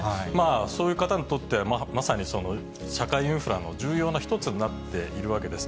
そういう方にとっては、まさに社会インフラの重要な一つになっているわけです。